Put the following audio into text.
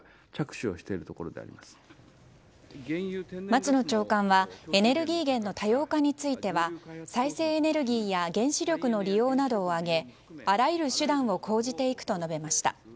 松野長官はエネルギー源の多様化については再生エネルギーや原子力の利用などを挙げあらゆる手段を講じていくと述べました。